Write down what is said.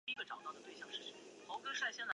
该城市也是西伯利亚联邦管区的首府所在地。